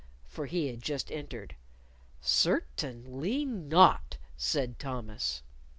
for he had just entered. "Cer tain ly not," said Thomas.